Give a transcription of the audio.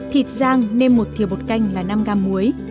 thịt giang nêm một thiều bột canh là năm gam muối